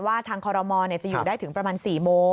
ทางคอรมอลจะอยู่ได้ถึงประมาณ๔โมง